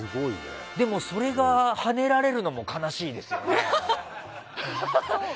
でもそれがはねられるのも悲しいですよね。